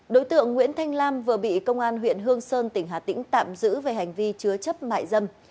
đối tượng nguyễn thanh lam vừa bị công an huyện hương sơn tỉnh hà tĩnh tạm giữ về hành vi chứa chấp mại dâm